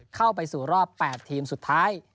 เข้าไปสู่รอบ๘ทีมสุดท้าย